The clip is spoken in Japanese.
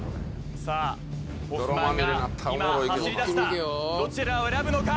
さあホフマンが今走りだしたどちらを選ぶのか？